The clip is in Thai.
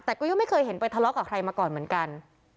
แต่ก็ยังไม่เคยเห็นไปทะเลาะกับใครมาก่อนเหมือนกัน